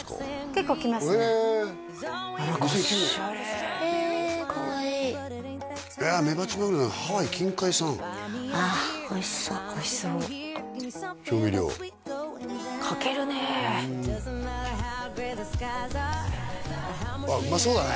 結構来ますねあっ何かオシャレへえかわいいああメバチマグロハワイ近海産ああおいしそうおいしそう調味料かけるねうんうわうまそうだね・